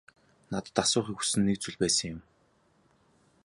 Надад асуухыг хүссэн нэг зүйл байсан юм.